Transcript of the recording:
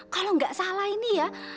kalau nggak salah ini ya